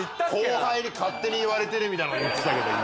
後輩に勝手に言われてるみたいな事言ってたけど今。